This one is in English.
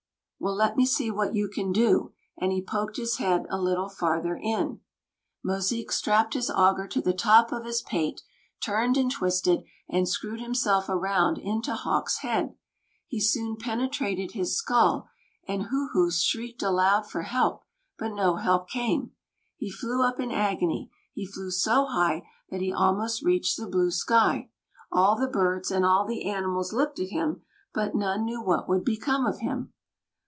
"Well, let me see what you can do," and he poked his head a little farther in. Mosique strapped his auger to the top of his pate, turned and twisted, and screwed himself around into Hawk's head. He soon penetrated his skull, and Hūhuss shrieked aloud for help, but no help came. He flew up in agony; he flew so high that he almost reached the blue sky. All the birds, and all the animals, looked at him, but none knew what would become of him.